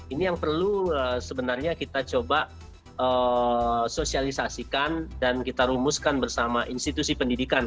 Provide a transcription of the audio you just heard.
ini yang perlu sebenarnya kita coba sosialisasikan dan kita rumuskan bersama institusi pendidikan